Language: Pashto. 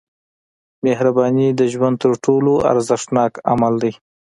• مهرباني د ژوند تر ټولو ارزښتناک عمل دی.